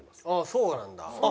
そうなんだ。